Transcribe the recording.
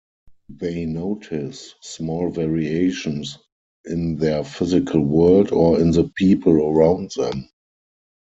They notice small variations in their physical world or in the people around them.